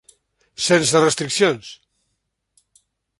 Sense restriccions!